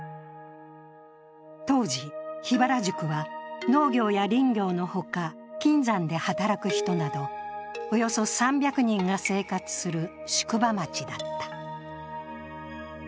当時、桧原宿は農業や林業の他、金山で働く人など、およそ３００人が生活する宿場町だった。